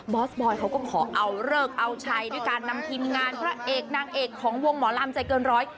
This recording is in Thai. อสบอยเขาก็ขอเอาเลิกเอาชัยด้วยการนำทีมงานพระเอกนางเอกของวงหมอลำใจเกินร้อย